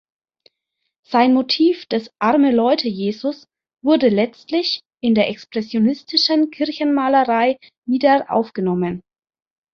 Sein Motiv des "Arme-Leute-Jesus" wurde letztlich in der expressionistischen Kirchenmalerei wieder aufgenommen.